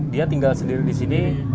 dia tinggal sendiri di sini